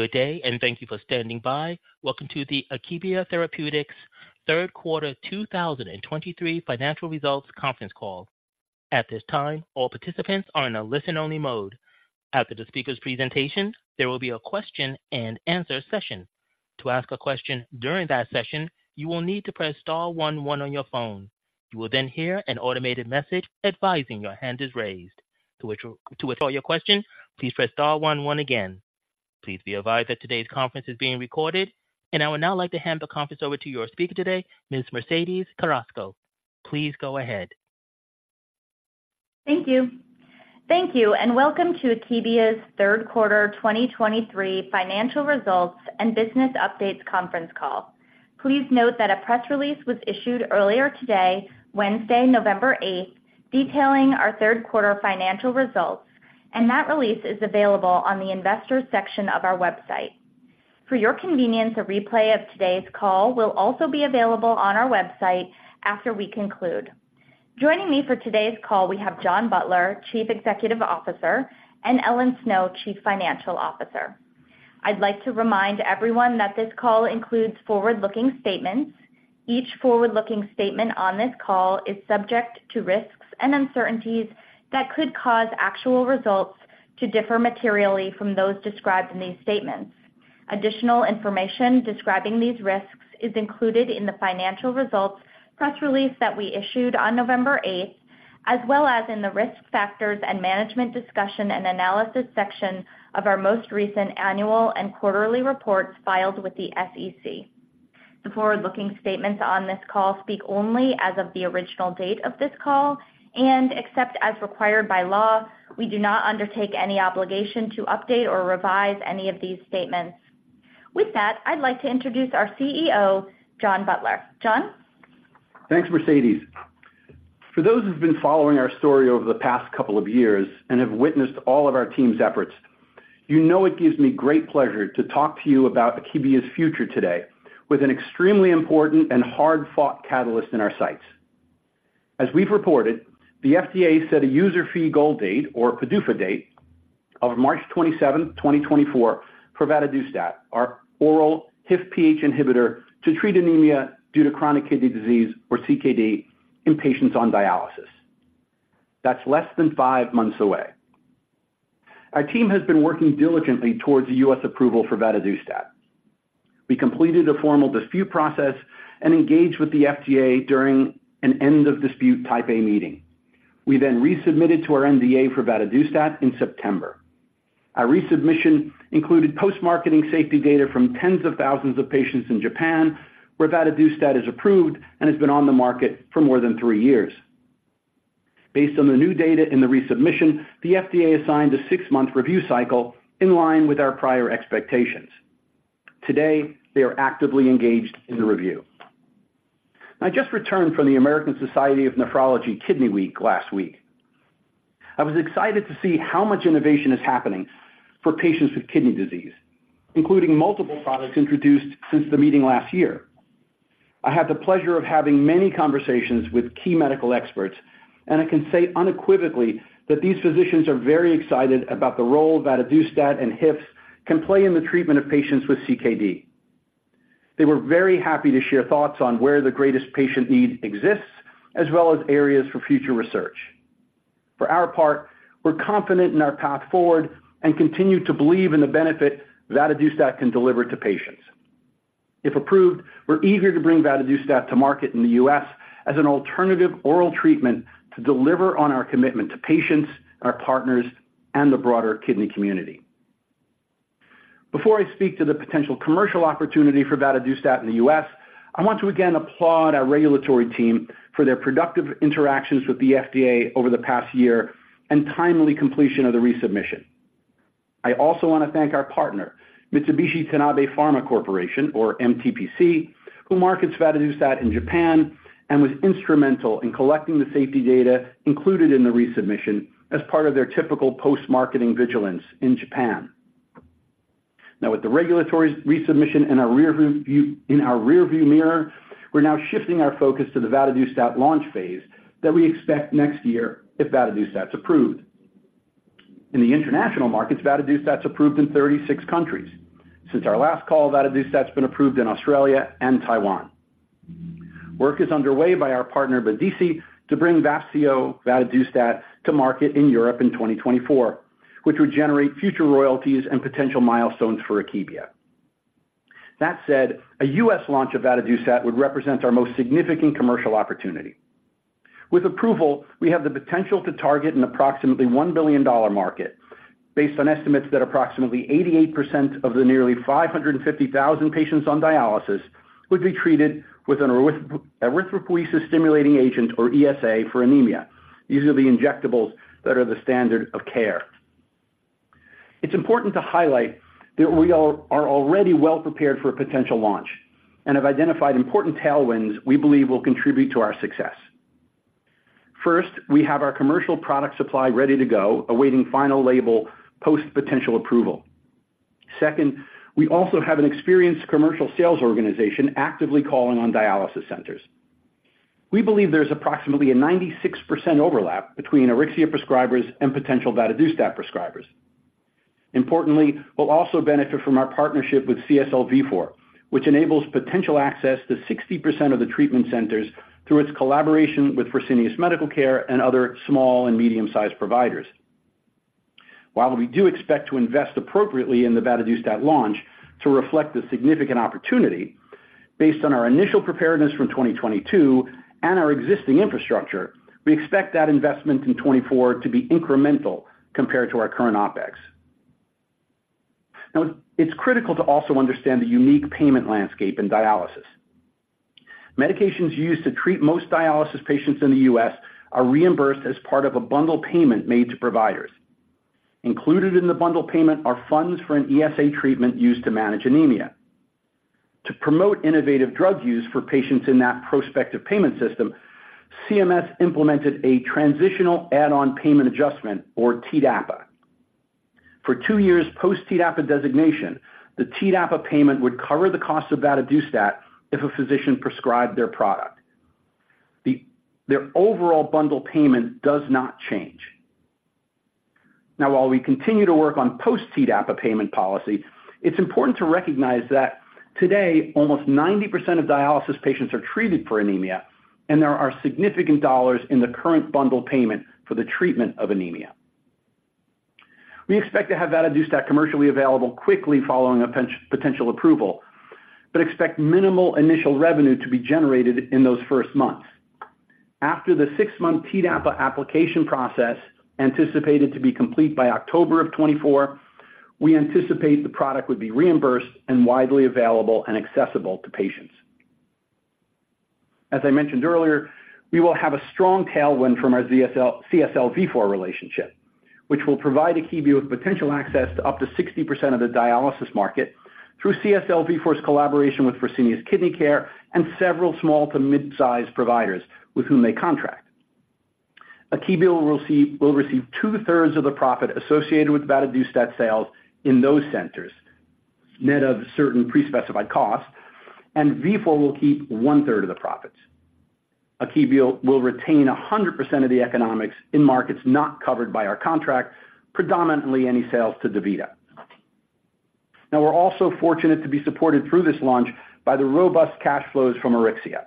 Good day, and thank you for standing by. Welcome to the Akebia Therapeutics third quarter 2023 financial results conference call. At this time, all participants are in a listen-only mode. After the speaker's presentation, there will be a question and answer session. To ask a question during that session, you will need to press star one one on your phone. You will then hear an automated message advising your hand is raised. To withdraw your question, please press star one one again. Please be advised that today's conference is being recorded. I would now like to hand the conference over to your speaker today, Ms. Mercedes Carrasco. Please go ahead. Thank you. Thank you, and welcome to Akebia's third quarter 2023 financial results and business updates conference call. Please note that a press release was issued earlier today, Wednesday, November 8, detailing our third quarter financial results, and that release is available on the investors section of our website. For your convenience, a replay of today's call will also be available on our website after we conclude. Joining me for today's call, we have John Butler, Chief Executive Officer, and Ellen Snow, Chief Financial Officer. I'd like to remind everyone that this call includes forward-looking statements. Each forward-looking statement on this call is subject to risks and uncertainties that could cause actual results to differ materially from those described in these statements. Additional information describing these risks is included in the financial results press release that we issued on November eighth, as well as in the Risk Factors and Management Discussion and Analysis section of our most recent annual and quarterly reports filed with the SEC. The forward-looking statements on this call speak only as of the original date of this call, and except as required by law, we do not undertake any obligation to update or revise any of these statements. With that, I'd like to introduce our CEO, John Butler. John? Thanks, Mercedes. For those who've been following our story over the past couple of years and have witnessed all of our team's efforts, you know it gives me great pleasure to talk to you about Akebia's future today with an extremely important and hard-fought catalyst in our sights. As we've reported, the FDA set a user fee goal date or PDUFA date of March 27, 2024 for vadadustat, our oral HIF-PHI inhibitor to treat anemia due to chronic kidney disease or CKD in patients on dialysis. That's less than five months away. Our team has been working diligently towards the U.S. approval for vadadustat. We completed a formal dispute process and engaged with the FDA during an end-of-dispute Type A meeting. We then resubmitted to our NDA for vadadustat in September. Our resubmission included post-marketing safety data from tens of thousands of patients in Japan, where vadadustat is approved and has been on the market for more than three years. Based on the new data in the resubmission, the FDA assigned a six-month review cycle in line with our prior expectations. Today, they are actively engaged in the review. I just returned from the American Society of Nephrology Kidney Week last week. I was excited to see how much innovation is happening for patients with kidney disease, including multiple products introduced since the meeting last year. I had the pleasure of having many conversations with key medical experts, and I can say unequivocally that these physicians are very excited about the role vadadustat and HIF can play in the treatment of patients with CKD. They were very happy to share thoughts on where the greatest patient need exists, as well as areas for future research. For our part, we're confident in our path forward and continue to believe in the benefit vadadustat can deliver to patients. If approved, we're eager to bring vadadustat to market in the U.S. as an alternative oral treatment to deliver on our commitment to patients, our partners, and the broader kidney community. Before I speak to the potential commercial opportunity for vadadustat in the U.S., I want to again applaud our regulatory team for their productive interactions with the FDA over the past year and timely completion of the resubmission. I also want to thank our partner, Mitsubishi Tanabe Pharma Corporation, or MTPC, who markets vadadustat in Japan and was instrumental in collecting the safety data included in the resubmission as part of their typical post-marketing vigilance in Japan. Now, with the regulatory resubmission in our rear view, in our rear-view mirror, we're now shifting our focus to the vadadustat launch phase that we expect next year if vadadustat is approved. In the international markets, vadadustat's approved in 36 countries. Since our last call, vadadustat's been approved in Australia and Taiwan. Work is underway by our partner, MEDICE, to bring Vafseo vadadustat to market in Europe in 2024, which would generate future royalties and potential milestones for Akebia. That said, a U.S. launch of vadadustat would represent our most significant commercial opportunity. With approval, we have the potential to target an approximately $1 billion market, based on estimates that approximately 88% of the nearly 550,000 patients on dialysis would be treated with an erythropoiesis-stimulating agent, or ESA, for anemia. These are the injectables that are the standard of care. It's important to highlight that we are already well prepared for a potential launch and have identified important tailwinds we believe will contribute to our success. First, we have our commercial product supply ready to go, awaiting final label post potential approval. Second, we also have an experienced commercial sales organization actively calling on dialysis centers. We believe there's approximately a 96% overlap between Auryxia prescribers and potential vadadustat prescribers. Importantly, we'll also benefit from our partnership with CSL Vifor, which enables potential access to 60% of the treatment centers through its collaboration with Fresenius Medical Care and other small and medium-sized providers. While we do expect to invest appropriately in the vadadustat launch to reflect the significant opportunity, based on our initial preparedness from 2022 and our existing infrastructure, we expect that investment in 2024 to be incremental compared to our current OpEx. Now, it's critical to also understand the unique payment landscape in dialysis. Medications used to treat most dialysis patients in the U.S. are reimbursed as part of a bundle payment made to providers. Included in the bundle payment are funds for an ESA treatment used to manage anemia. To promote innovative drug use for patients in that prospective payment system, CMS implemented a transitional add-on payment adjustment or TDAPA. For two years post-TDAPA designation, the TDAPA payment would cover the cost of vadadustat if a physician prescribed their product. Their overall bundle payment does not change. Now, while we continue to work on post-TDAPA payment policy, it's important to recognize that today, almost 90% of dialysis patients are treated for anemia, and there are significant dollars in the current bundle payment for the treatment of anemia. We expect to have vadadustat commercially available quickly following a potential approval, but expect minimal initial revenue to be generated in those first months. After the six-month TDAPA application process, anticipated to be complete by October 2024, we anticipate the product would be reimbursed and widely available and accessible to patients. As I mentioned earlier, we will have a strong tailwind from our CSL Vifor relationship, which will provide Akebia with potential access to up to 60% of the dialysis market through CSL Vifor's collaboration with Fresenius Kidney Care and several small to mid-size providers with whom they contract. Akebia will receive 2/3 of the profit associated with vadadustat sales in those centers, net of certain pre-specified costs, and Vifor will keep 1/3 of the profits. Akebia will retain 100% of the economics in markets not covered by our contract, predominantly any sales to DaVita. Now, we're also fortunate to be supported through this launch by the robust cash flows from Auryxia.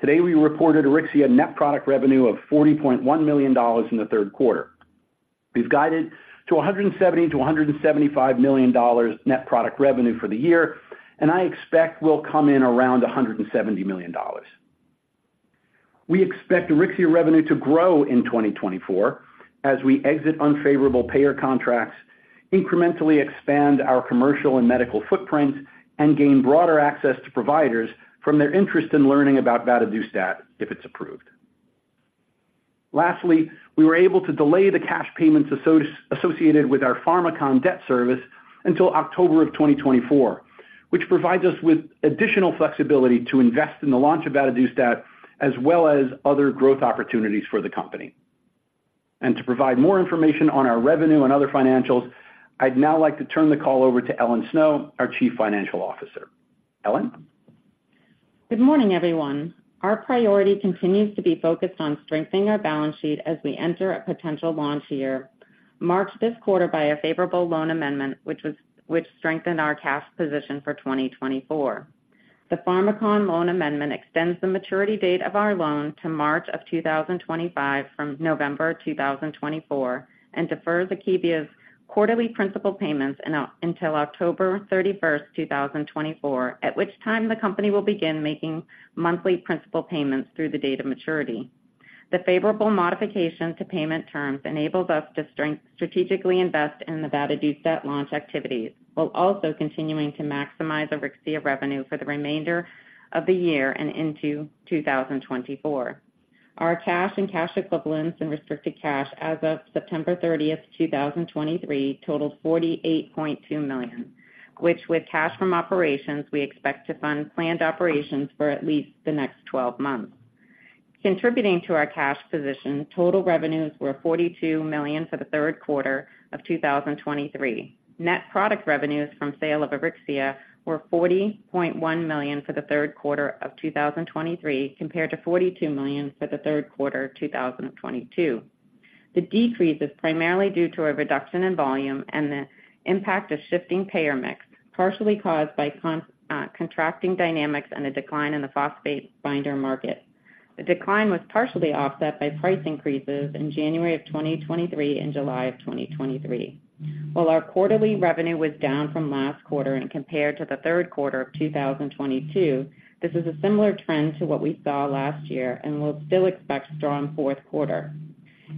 Today, we reported Auryxia net product revenue of $40.1 million in the third quarter. We've guided to $170 million-$175 million net product revenue for the year, and I expect we'll come in around $170 million. We expect Auryxia revenue to grow in 2024 as we exit unfavorable payer contracts, incrementally expand our commercial and medical footprint, and gain broader access to providers from their interest in learning about vadadustat, if it's approved. Lastly, we were able to delay the cash payments associated with our Pharmakon debt service until October of 2024, which provides us with additional flexibility to invest in the launch of vadadustat, as well as other growth opportunities for the company. To provide more information on our revenue and other financials, I'd now like to turn the call over to Ellen Snow, our Chief Financial Officer. Ellen? Good morning, everyone. Our priority continues to be focused on strengthening our balance sheet as we enter a potential launch year, marked this quarter by a favorable loan amendment, which strengthened our cash position for 2024. The Pharmakon loan amendment extends the maturity date of our loan to March 2025 from November 2024, and defers Akebia's quarterly principal payments until October 31, 2024, at which time the company will begin making monthly principal payments through the date of maturity. The favorable modification to payment terms enables us to strategically invest in the vadadustat launch activities, while also continuing to maximize Auryxia revenue for the remainder of the year and into 2024. Our cash and cash equivalents and restricted cash as of September 30, 2023, totaled $48.2 million, which, with cash from operations, we expect to fund planned operations for at least the next 12 months. Contributing to our cash position, total revenues were $42 million for the third quarter of 2023. Net product revenues from sale of Auryxia were $40.1 million for the third quarter of 2023, compared to $42 million for the third quarter of 2022. The decrease is primarily due to a reduction in volume and the impact of shifting payer mix, partially caused by contracting dynamics and a decline in the phosphate binder market. The decline was partially offset by price increases in January 2023 and July 2023. While our quarterly revenue was down from last quarter and compared to the third quarter of 2022, this is a similar trend to what we saw last year, and we'll still expect strong fourth quarter.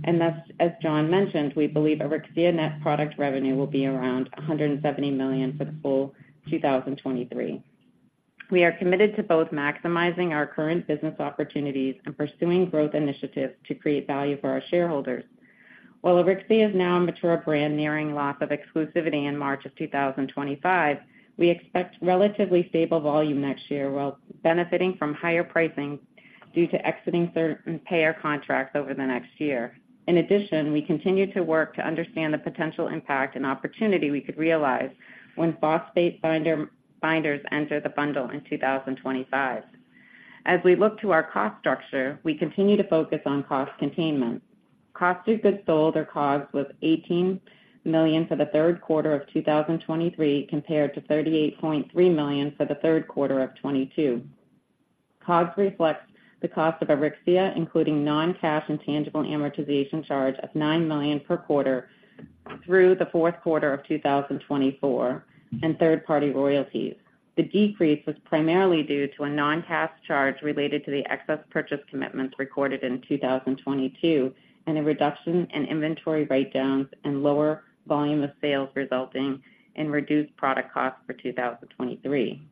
Thus, as John mentioned, we believe Auryxia net product revenue will be around $170 million for the full 2023. We are committed to both maximizing our current business opportunities and pursuing growth initiatives to create value for our shareholders. While Auryxia is now a mature brand nearing loss of exclusivity in March 2025, we expect relatively stable volume next year, while benefiting from higher pricing due to exiting certain payer contracts over the next year. In addition, we continue to work to understand the potential impact and opportunity we could realize when phosphate binder, binders enter the bundle in 2025. As we look to our cost structure, we continue to focus on cost containment. Cost of goods sold or COGS was $18 million for the third quarter of 2023, compared to $38.3 million for the third quarter of 2022. COGS reflects the cost of Auryxia, including non-cash and tangible amortization charge of $9 million per quarter through the fourth quarter of 2024, and third-party royalties. The decrease was primarily due to a non-cash charge related to the excess purchase commitments recorded in 2022, and a reduction in inventory write-downs and lower volume of sales, resulting in reduced product costs for 2023.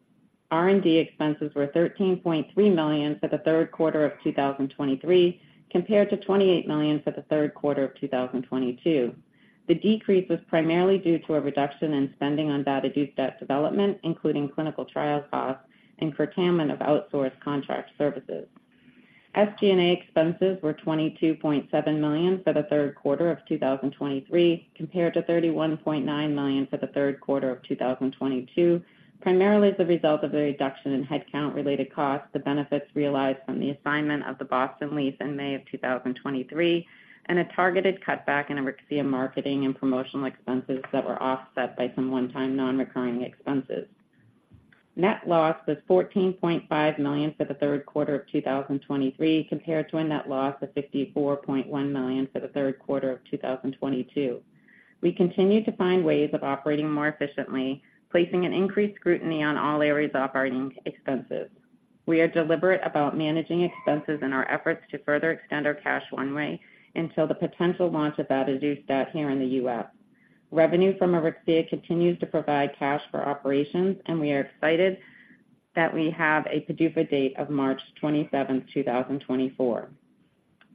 R&D expenses were $13.3 million for the third quarter of 2023, compared to $28 million for the third quarter of 2022. The decrease was primarily due to a reduction in spending on vadadustat development, including clinical trial costs and curtailment of outsourced contract services. SG&A expenses were $22.7 million for the third quarter of 2023, compared to $31.9 million for the third quarter of 2022, primarily as a result of a reduction in headcount-related costs, the benefits realized from the assignment of the Boston lease in May of 2023, and a targeted cutback in Auryxia marketing and promotional expenses that were offset by some one-time non-recurring expenses. Net loss was $14.5 million for the third quarter of 2023, compared to a net loss of $54.1 million for the third quarter of 2022. We continue to find ways of operating more efficiently, placing an increased scrutiny on all areas of our expenses. We are deliberate about managing expenses and our efforts to further extend our cash runway until the potential launch of vadadustat here in the U.S. Revenue from Auryxia continues to provide cash for operations, and we are excited that we have a PDUFA date of March 27, 2024.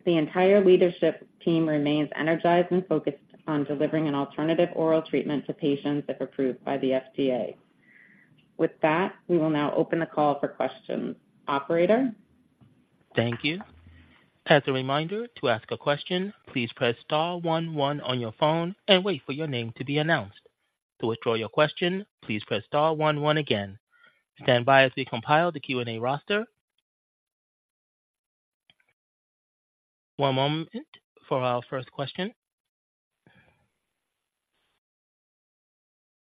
The entire leadership team remains energized and focused on delivering an alternative oral treatment to patients if approved by the FDA. With that, we will now open the call for questions. Operator? Thank you. As a reminder, to ask a question, please press star one one on your phone and wait for your name to be announced. To withdraw your question, please press star one one again. Stand by as we compile the Q&A roster. One moment for our first question.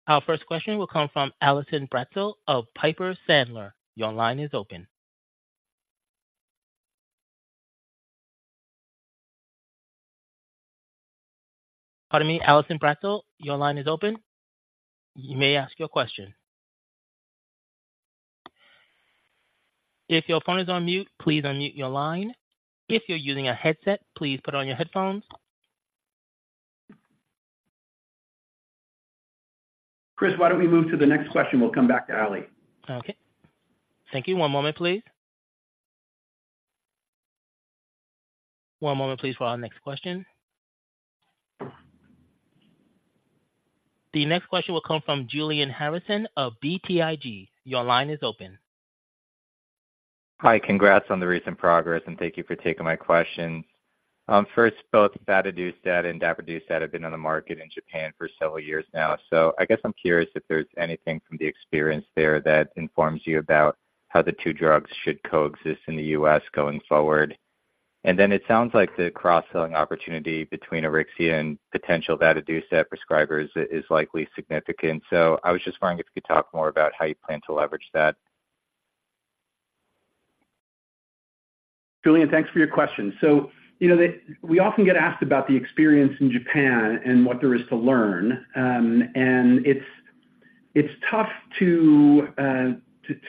Our first question will come from Allison Bratzel of Piper Sandler. Your line is open. Pardon me, Allison Bratzel, your line is open. You may ask your question. If your phone is on mute, please unmute your line. If you're using a headset, please put on your headphones. Chris, why don't we move to the next question? We'll come back to Allie. Okay. Thank you. One moment, please. One moment, please, for our next question. The next question will come from Julian Harrison of BTIG. Your line is open. Hi, congrats on the recent progress, and thank you for taking my questions. First, both vadadustat and daprodustat have been on the market in Japan for several years now. So I guess I'm curious if there's anything from the experience there that informs you about how the two drugs should coexist in the U.S. going forward. And then it sounds like the cross-selling opportunity between Auryxia and potential vadadustat prescribers is likely significant. So I was just wondering if you could talk more about how you plan to leverage that. Julian, thanks for your question. So, you know, we often get asked about the experience in Japan and what there is to learn, and it's tough to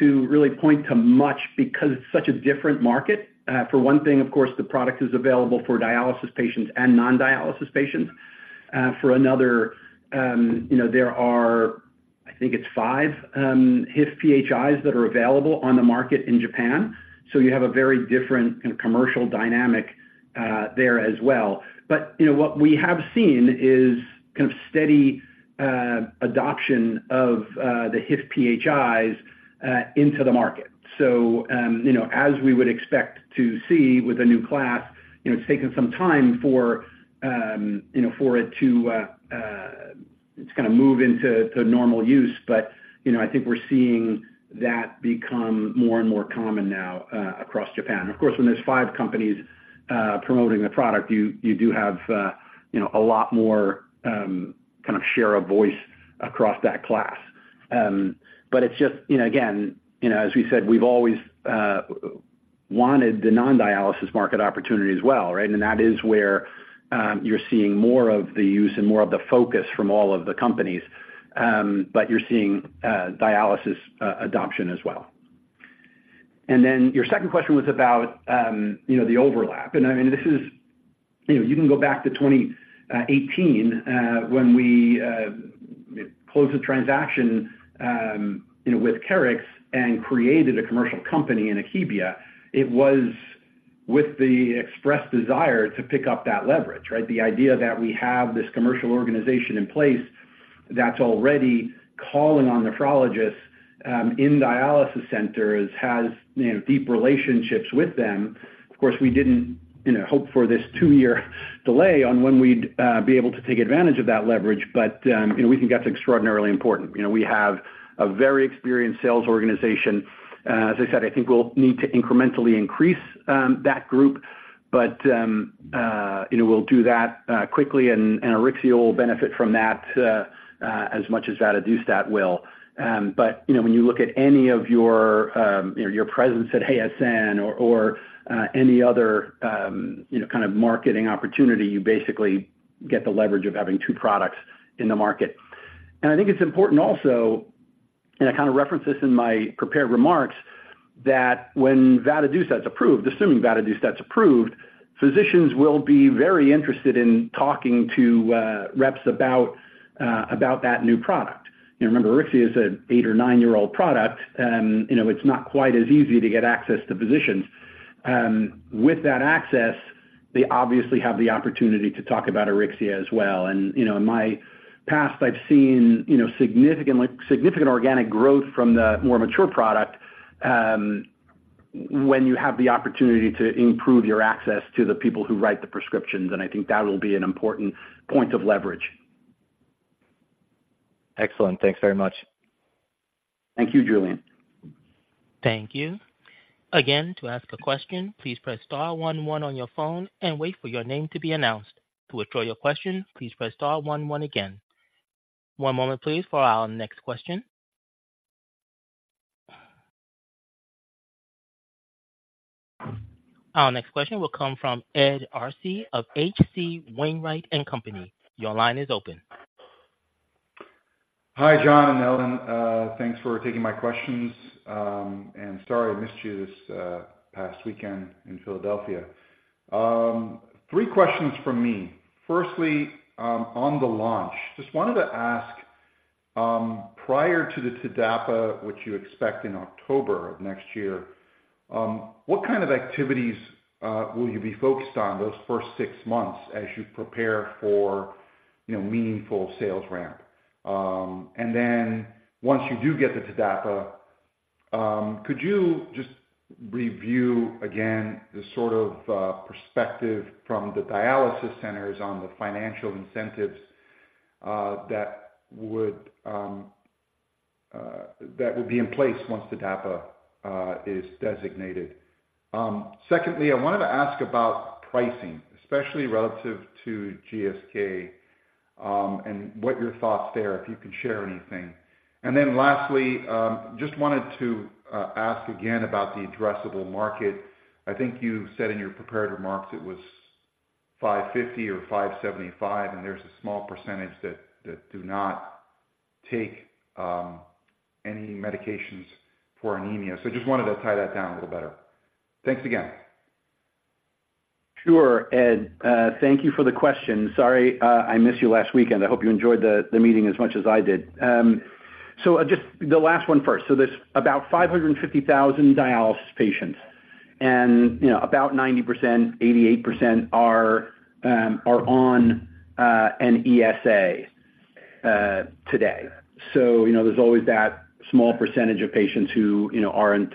really point to much because it's such a different market. For one thing, of course, the product is available for dialysis patients and non-dialysis patients. For another, you know, there are, I think it's five HIF-PHIs that are available on the market in Japan, so you have a very different kind of commercial dynamic there as well. But, you know, what we have seen is kind of steady adoption of the HIF-PHIs into the market. So, you know, as we would expect to see with a new class, you know, it's taken some time for, you know, for it to kind of move into to normal use. But, you know, I think we're seeing that become more and more common now, across Japan. Of course, when there's five companies promoting the product, you do have, you know, a lot more kind of share of voice across that class. But it's just, you know, again, you know, as we said, we've always wanted the non-dialysis market opportunity as well, right? And that is where you're seeing more of the use and more of the focus from all of the companies, but you're seeing dialysis adoption as well. And then your second question was about, you know, the overlap. And I mean, this is. You know, you can go back to 2018 when we closed the transaction, you know, with Keryx and created a commercial company in Akebia. It was with the express desire to pick up that leverage, right? The idea that we have this commercial organization in place that's already calling on nephrologists in dialysis centers, has you know deep relationships with them. Of course, we didn't you know hope for this two-year delay on when we'd be able to take advantage of that leverage, but you know we think that's extraordinarily important. You know, we have a very experienced sales organization. As I said, I think we'll need to incrementally increase that group. But, you know, we'll do that quickly, and Auryxia will benefit from that as much as vadadustat will. But, you know, when you look at any of your, you know, your presence at ASN or any other, you know, kind of marketing opportunity, you basically get the leverage of having two products in the market. And I think it's important also, and I kind of referenced this in my prepared remarks, that when vadadustat's approved, assuming vadadustat's approved, physicians will be very interested in talking to reps about that new product. You remember, Auryxia is an eight or nine-year-old product, you know, it's not quite as easy to get access to physicians. With that access, they obviously have the opportunity to talk about Auryxia as well. You know, in my past, I've seen, you know, significant organic growth from the more mature product when you have the opportunity to improve your access to the people who write the prescriptions, and I think that will be an important point of leverage. Excellent. Thanks very much. Thank you, Julian. Thank you. Again, to ask a question, please press star one one on your phone and wait for your name to be announced. To withdraw your question, please press star one one again. One moment, please, for our next question. Our next question will come from Ed Arce of H.C. Wainwright & Company. Your line is open. Hi, John and Ellen. Thanks for taking my questions, and sorry I missed you this past weekend in Philadelphia. Three questions from me. Firstly, on the launch, just wanted to ask, prior to the TDAPA, which you expect in October of next year, what kind of activities will you be focused on those first six months as you prepare for, you know, meaningful sales ramp? And then once you do get the TDAPA, could you just review again the sort of perspective from the dialysis centers on the financial incentives that would be in place once the TDAPA is designated? Secondly, I wanted to ask about pricing, especially relative to GSK, and what your thoughts there, if you can share anything. And then lastly, just wanted to ask again about the addressable market. I think you said in your prepared remarks it was $550 or $575, and there's a small percentage that do not take any medications for anemia. So just wanted to tie that down a little better. Thanks again. Sure, Ed. Thank you for the question. Sorry, I missed you last weekend. I hope you enjoyed the meeting as much as I did. So just the last one first. So there's about 550,000 dialysis patients, and, you know, about 90%, 88% are on an ESA today. So, you know, there's always that small percentage of patients who, you know, aren't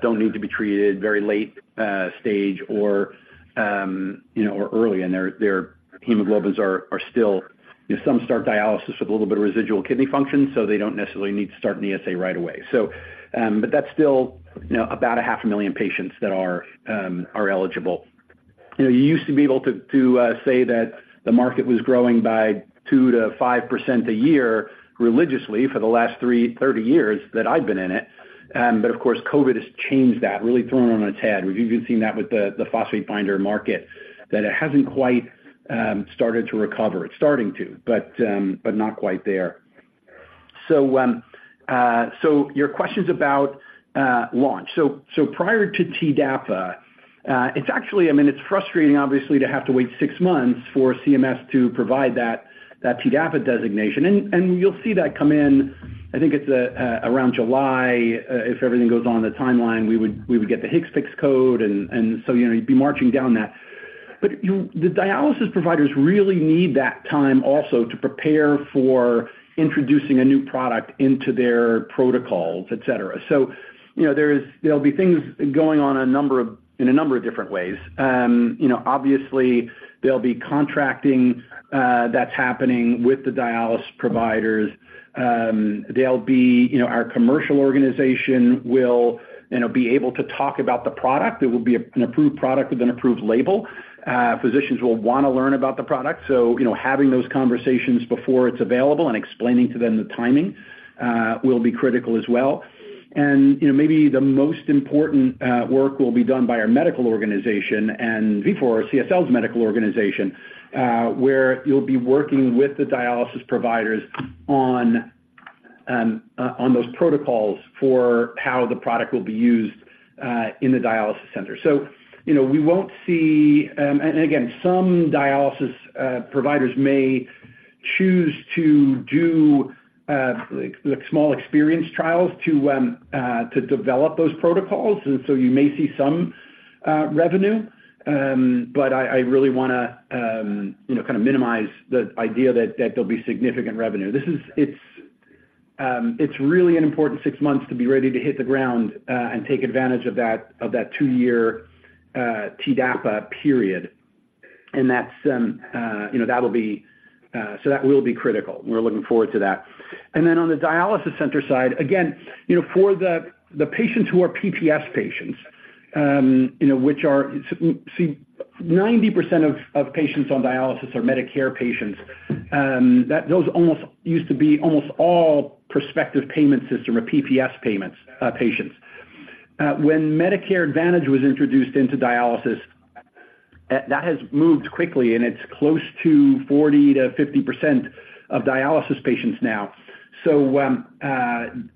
don't need to be treated very late stage or, you know, or early, and their hemoglobins are still... Some start dialysis with a little bit of residual kidney function, so they don't necessarily need to start an ESA right away. So, but that's still, you know, about 500,000 patients that are eligible. You know, you used to be able to say that the market was growing by 2%-5% a year, religiously, for the last 30 years that I've been in it. But of course, COVID has changed that, really thrown it on its head. We've even seen that with the phosphate binder market, that it hasn't quite started to recover. It's starting to, but not quite there. So your question's about launch. So prior to TDAPA, it's actually... I mean, it's frustrating, obviously, to have to wait six months for CMS to provide that TDAPA designation. And you'll see that come in, I think it's around July. If everything goes on the timeline, we would get the HCPCS code and so, you know, you'd be marching down that. But the dialysis providers really need that time also to prepare for introducing a new product into their protocols, et cetera. So, you know, there'll be things going on in a number of different ways. You know, obviously, there'll be contracting that's happening with the dialysis providers. There'll be, you know, our commercial organization will, you know, be able to talk about the product. It will be an approved product with an approved label. Physicians will wanna learn about the product. So, you know, having those conversations before it's available and explaining to them the timing will be critical as well. You know, maybe the most important work will be done by our medical organization and Vifor or CSL's medical organization, where you'll be working with the dialysis providers on those protocols for how the product will be used in the dialysis center. So, you know, we won't see... And again, some dialysis providers may choose to do, like, small experience trials to develop those protocols, and so you may see some revenue. But I really wanna, you know, kind of minimize the idea that there'll be significant revenue. This is. It's really an important six months to be ready to hit the ground and take advantage of that two-year TDAPA period, and that's, you know, that'll be, so that will be critical. We're looking forward to that. And then on the dialysis center side, again, you know, for the patients who are PPS patients, you know, which are, see, 90% of patients on dialysis are Medicare patients, those almost used to be almost all prospective payment system or PPS payments, patients. When Medicare Advantage was introduced into dialysis, that has moved quickly, and it's close to 40%-50% of dialysis patients now. So,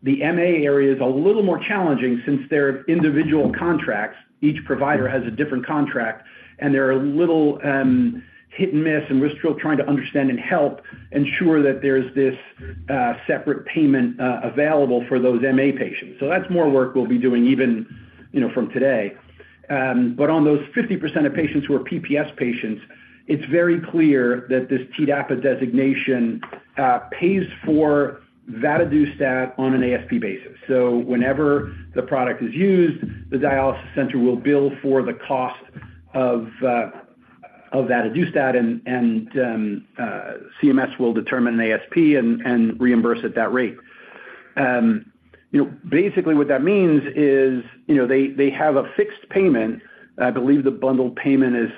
the MA area is a little more challenging since they're individual contracts. Each provider has a different contract, and they're a little hit and miss, and we're still trying to understand and help ensure that there's this separate payment available for those MA patients. So that's more work we'll be doing even, you know, from today. But on those 50% of patients who are PPS patients, it's very clear that this TDAPA designation pays for vadadustat on an ASP basis. So whenever the product is used, the dialysis center will bill for the cost of vadadustat, and CMS will determine an ASP and reimburse at that rate. You know, basically what that means is, you know, they have a fixed payment. I believe the bundled payment is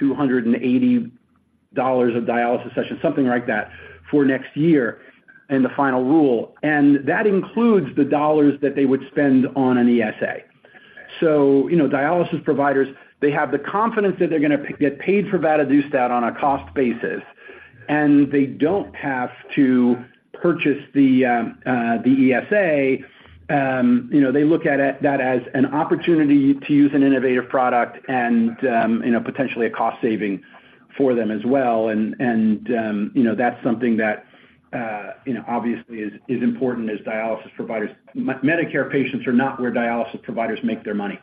$280 a dialysis session, something like that, for next year in the final rule, and that includes the dollars that they would spend on an ESA. So, you know, dialysis providers, they have the confidence that they're gonna get paid for vadadustat on a cost basis, and they don't have to purchase the ESA. You know, they look at it that as an opportunity to use an innovative product and, you know, potentially a cost saving for them as well. You know, that's something that, you know, obviously is important as dialysis providers. Medicare patients are not where dialysis providers make their money.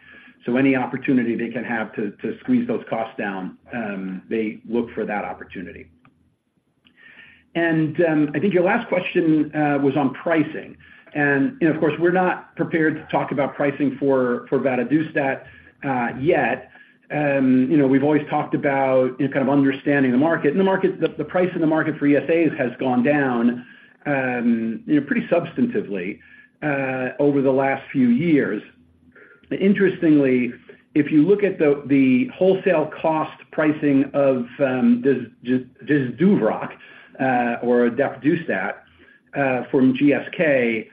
So any opportunity they can have to squeeze those costs down, they look for that opportunity. I think your last question was on pricing. You know, of course, we're not prepared to talk about pricing for vadadustat yet. You know, we've always talked about kind of understanding the market, and the market, the price in the market for ESAs has gone down, you know, pretty substantively over the last few years. Interestingly, if you look at the wholesale cost pricing of Jesduvroq or daprodustat from GSK,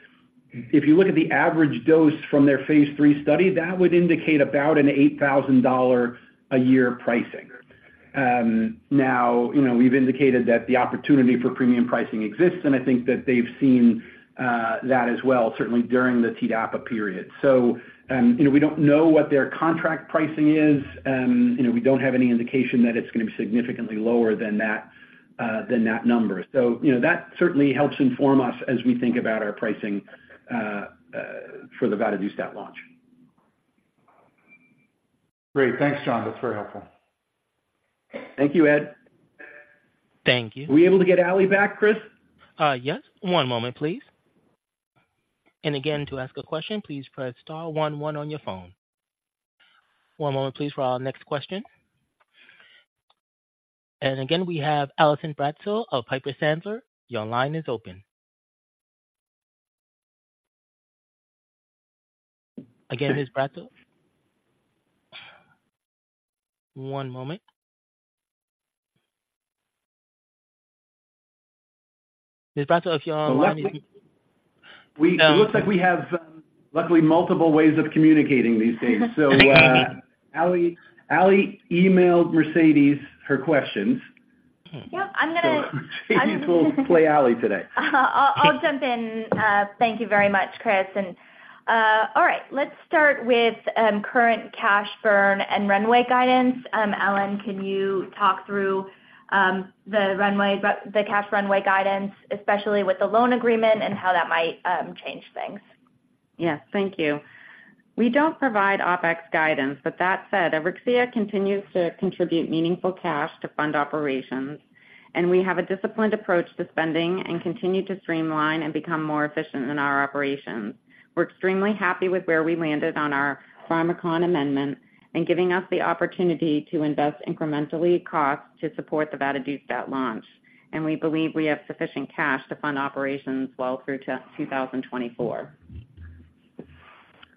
if you look at the average dose from their phase III study, that would indicate about an $8,000-a-year pricing. Now, you know, we've indicated that the opportunity for premium pricing exists, and I think that they've seen that as well, certainly during the TDAPA period. So, you know, we don't know what their contract pricing is. You know, we don't have any indication that it's gonna be significantly lower than that number. So, you know, that certainly helps inform us as we think about our pricing for the vadadustat launch. Great. Thanks, John. That's very helpful. Thank you, Ed. Thank you. Were we able to get Allie back, Chris? Yes. One moment, please. And again, to ask a question, please press star one one on your phone. One moment, please, for our next question. And again, we have Allison Bratzel of Piper Sandler. Your line is open. Again, Ms. Bratzel? One moment. Ms. Bratzel, if you're on- Well, it looks like we have, luckily, multiple ways of communicating these days. So, Allie, Allie emailed Mercedes her questions. Yep, I'm gonna- Mercedes will play Allie today. I'll jump in. Thank you very much, Chris. All right, let's start with current cash burn and runway guidance. Ellen, can you talk through the runway, the cash runway guidance, especially with the loan agreement and how that might change things? Yes, thank you. We don't provide OpEx guidance, but that said, Auryxia continues to contribute meaningful cash to fund operations, and we have a disciplined approach to spending and continue to streamline and become more efficient in our operations. We're extremely happy with where we landed on our Pharmakon amendment and giving us the opportunity to invest incrementally costs to support the vadadustat launch. And we believe we have sufficient cash to fund operations well through to 2024.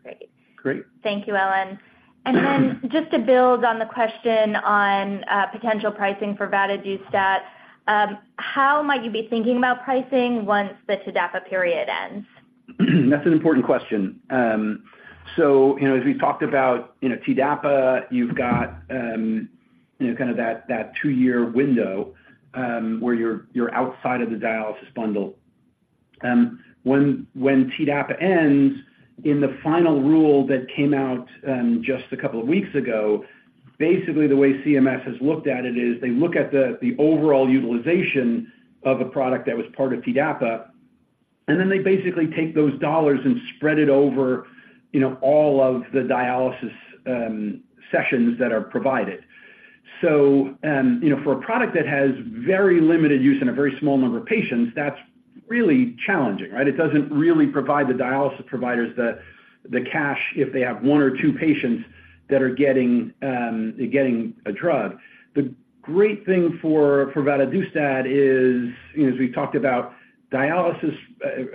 Great. Great. Thank you, Ellen. And then just to build on the question on potential pricing for vadadustat, how might you be thinking about pricing once the TDAPA period ends? That's an important question. So, you know, as we've talked about, you know, TDAPA, you've got, you know, kind of that, that two-year window, where you're, you're outside of the dialysis bundle. When, when TDAPA ends, in the final rule that came out, just a couple of weeks ago, basically, the way CMS has looked at it is they look at the, the overall utilization of a product that was part of TDAPA, and then they basically take those dollars and spread it over, you know, all of the dialysis, sessions that are provided. So, you know, for a product that has very limited use in a very small number of patients, that's really challenging, right? It doesn't really provide the dialysis providers the, the cash if they have one or two patients that are getting, getting a drug. The great thing for vadadustat is, you know, as we talked about, dialysis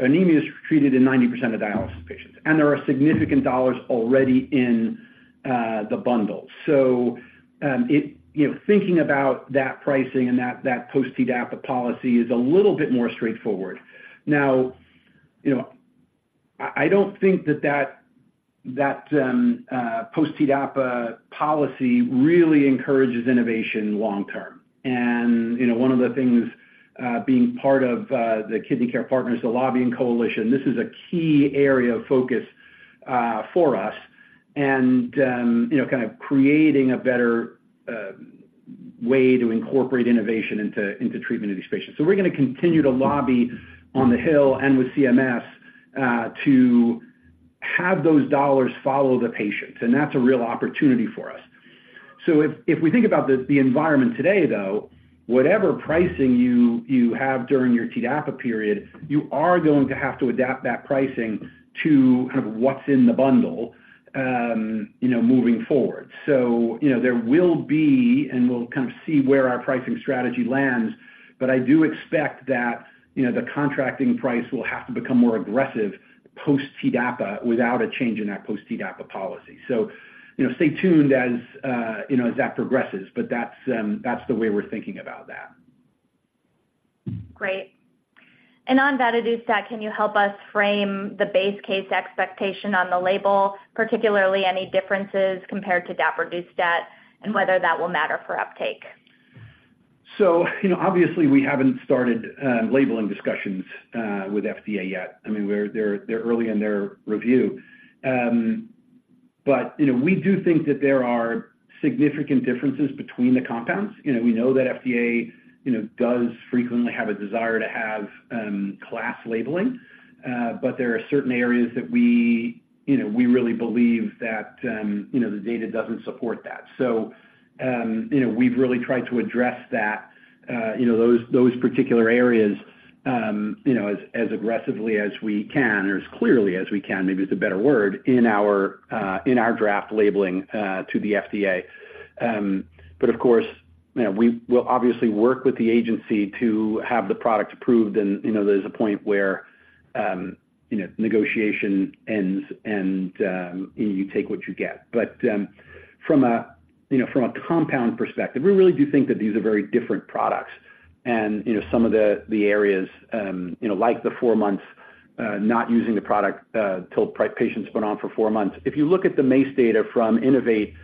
anemia is treated in 90% of dialysis patients, and there are significant dollars already in the bundle. So, it, you know, thinking about that pricing and that post-TDAPA policy is a little bit more straightforward. Now, you know, I don't think that post-TDAPA policy really encourages innovation long term. And, you know, one of the things, being part of the Kidney Care Partners, the lobbying coalition, this is a key area of focus for us and, you know, kind of creating a better way to incorporate innovation into treatment of these patients. So we're gonna continue to lobby on the Hill and with CMS to have those dollars follow the patients, and that's a real opportunity for us. So if we think about the environment today, though, whatever pricing you have during your TDAPA period, you are going to have to adapt that pricing to kind of what's in the bundle, you know, moving forward. So, you know, there will be, and we'll kind of see where our pricing strategy lands, but I do expect that, you know, the contracting price will have to become more aggressive post-TDAPA without a change in that post-TDAPA policy. So, you know, stay tuned as, you know, as that progresses, but that's the way we're thinking about that. Great. And on vadadustat, can you help us frame the base case expectation on the label, particularly any differences compared to daprodustat, and whether that will matter for uptake? So, you know, obviously, we haven't started labeling discussions with FDA yet. I mean, they're early in their review. But, you know, we do think that there are significant differences between the compounds. You know, we know that FDA does frequently have a desire to have class labeling, but there are certain areas that we, you know, we really believe that the data doesn't support that. So, you know, we've really tried to address that, you know, those particular areas as aggressively as we can, or as clearly as we can, maybe it's a better word, in our draft labeling to the FDA. But of course, you know, we will obviously work with the agency to have the product approved and, you know, there's a point where, you know, negotiation ends and you take what you get. But, from a, you know, from a compound perspective, we really do think that these are very different products. And, you know, some of the, the areas, you know, like the four months not using the product till patients been on for four months. If you look at the MACE data from INNO2VATE,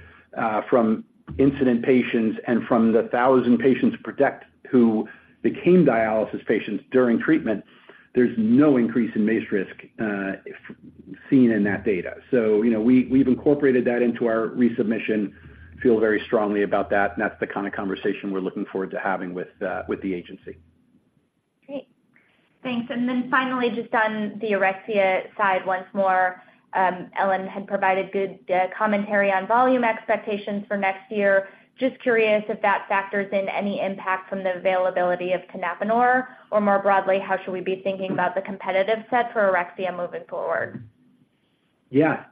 from incident patients and from the 1,000 patients PRO2TECT who became dialysis patients during treatment, there's no increase in MACE risk seen in that data. So, you know, we’ve incorporated that into our resubmission, feel very strongly about that, and that’s the kind of conversation we’re looking forward to having with the agency. Great. Thanks. And then finally, just on the Auryxia side, once more, Ellen had provided good commentary on volume expectations for next year. Just curious if that factors in any impact from the availability of tenapanor, or more broadly, how should we be thinking about the competitive set for Auryxia moving forward? Yeah.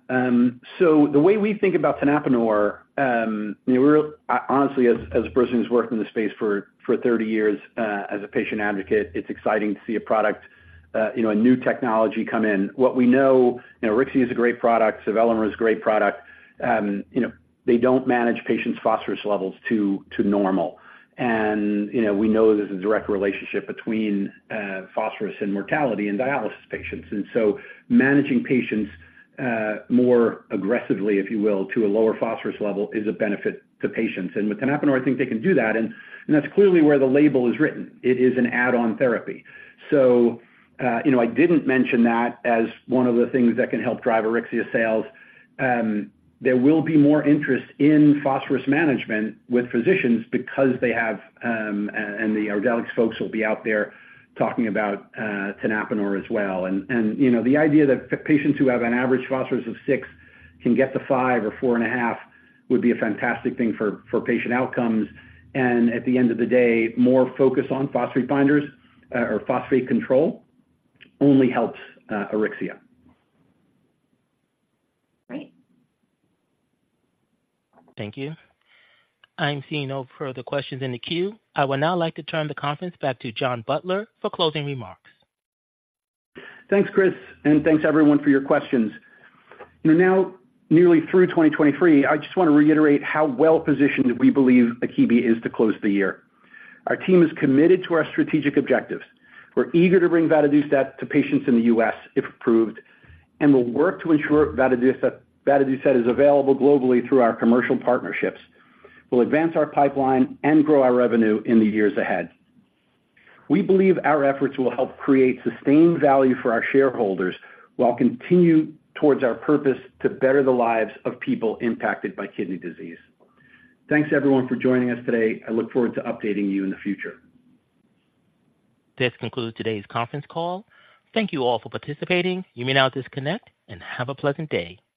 So the way we think about tenapanor, you know, we're honestly, as a person who's worked in this space for 30 years, as a patient advocate, it's exciting to see a product, you know, a new technology come in. What we know, Auryxia is a great product, sevelamer is a great product. You know, they don't manage patients' phosphorus levels to normal. And, you know, we know there's a direct relationship between phosphorus and mortality in dialysis patients. And so managing patients more aggressively, if you will, to a lower phosphorus level is a benefit to patients. And with tenapanor, I think they can do that, and that's clearly where the label is written. It is an add-on therapy. So, you know, I didn't mention that as one of the things that can help drive Auryxia sales. There will be more interest in phosphorus management with physicians because they have, and the Ardelyx folks will be out there talking about tenapanor as well. And you know, the idea that patients who have an average phosphorus of 6 can get to 5 or 4.5 would be a fantastic thing for patient outcomes. And at the end of the day, more focus on phosphate binders or phosphate control only helps Auryxia. Great. Thank you. I'm seeing no further questions in the queue. I would now like to turn the conference back to John Butler for closing remarks. Thanks, Chris, and thanks, everyone, for your questions. We're now nearly through 2023. I just want to reiterate how well-positioned we believe Akebia is to close the year. Our team is committed to our strategic objectives. We're eager to bring vadadustat to patients in the U.S., if approved, and we'll work to ensure vadadustat, vadadustat is available globally through our commercial partnerships. We'll advance our pipeline and grow our revenue in the years ahead. We believe our efforts will help create sustained value for our shareholders, while continue towards our purpose to better the lives of people impacted by kidney disease. Thanks, everyone, for joining us today. I look forward to updating you in the future. This concludes today's conference call. Thank you all for participating. You may now disconnect and have a pleasant day.